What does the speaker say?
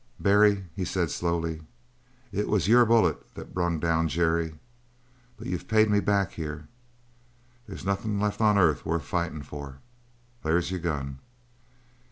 "Barry," he said slowly, "it was your bullet that brung down Jerry; but you've paid me back here. They's nothin' left on earth worth fightin' for. There's your gun."